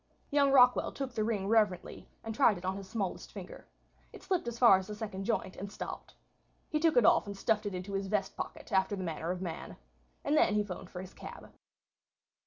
Young Rockwall took the ring reverently and tried it on his smallest finger. It slipped as far as the second joint and stopped. He took it off and stuffed it into his vest pocket, after the manner of man. And then he 'phoned for his cab.